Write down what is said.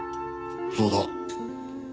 そうだ。